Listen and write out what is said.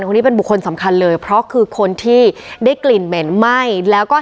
คนนี้เป็นบุคคลสำคัญเลยเพราะคือคนที่ได้กลิ่นเหม็นไหม้แล้วก็